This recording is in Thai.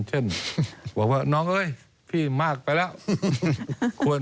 เช่นบอกว่าน้องเอ้ยพี่มากไปแล้ว